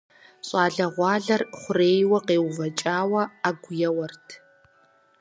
ЩӀалэгъуалэр хъурейуэ къеувэкӀауэ Ӏэгу еуэрт.